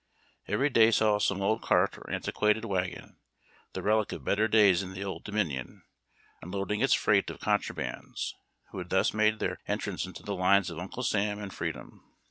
Every day saw some old cart or antiquated wagon, the relic of better days in the Old Dominion, unload ing its freight of contrabands, who had thus made their en trance into the lines of Uncle Sam and Freedom.